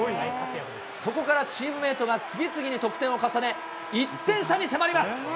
そこからチームメートが次々に得点を重ね、１点差に迫ります。